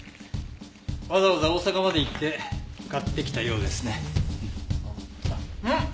わざわざ大阪まで行って買ってきたようですね。